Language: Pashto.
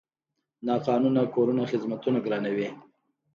ناقانونه کورونه خدمتونه ګرانوي.